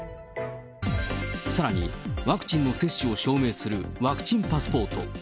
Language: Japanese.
さらに、ワクチンの接種を証明するワクチンパスポート。